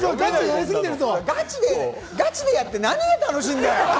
ガチでやって、何が楽しいんだよ！